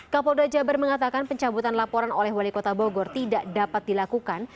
kapol jawa barat mengatakan pencabutan laporan oleh wali kota bogor tidak dapat dilakukan